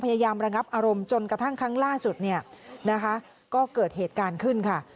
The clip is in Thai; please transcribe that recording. ระงับอารมณ์จนกระทั่งครั้งล่าสุดเนี่ยนะคะก็เกิดเหตุการณ์ขึ้นค่ะ